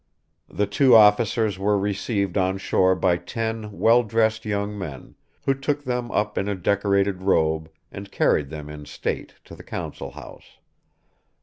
The two officers were received on shore by ten well dressed young men, who took them up in a decorated robe and carried them in state to the council house.